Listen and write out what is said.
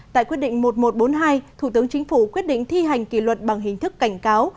tại quyết định một nghìn một trăm bốn mươi hai thủ tướng chính phủ quyết định thi hành kỷ luật bằng hình thức cảnh cáo